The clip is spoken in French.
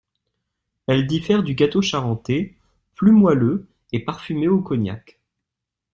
Elle diffère du gâteau charentais, plus moelleux et parfumé au cognac.